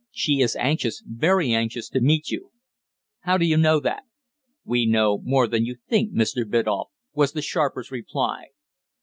She is anxious very anxious to meet you." "How do you know that?" "We know more than you think, Mr. Biddulph," was the sharper's reply.